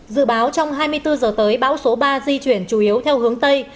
dự báo trong hai mươi bốn giờ tới bão số ba di chuyển chủ yếu theo hướng tây